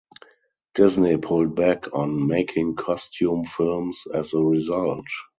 Disney pulled back on making costume films as a result.